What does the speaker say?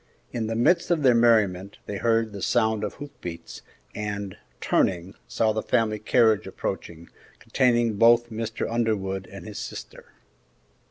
In the midst of their merriment they heard the sound of hoof beats, and, turning, saw the family carriage approaching, containing both Mr. Underwood and his sister.